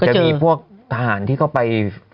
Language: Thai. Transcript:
จะมีพวกทหารที่เข้าไป